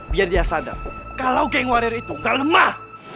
biar dia sadar kalo geng wario itu gak lemah